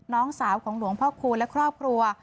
น้องสาวของหลวงพ่อคูณและครอบครัว